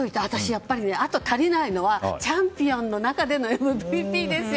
あと足りないのはチャンピオンの中でのＭＶＰですよ。